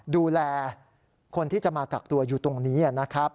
ดูแลคนที่จะมากักตัวอยู่ตรงนี้นะครับ